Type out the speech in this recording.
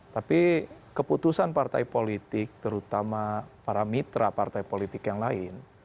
tapi keputusan partai politik terutama para mitra partai politik yang lain